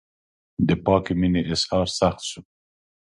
د پاکې مینې اظهار سخت شو.